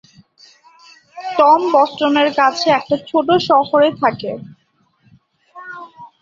Tom বস্টনের কাছে একটা ছোট শহরে থাকে।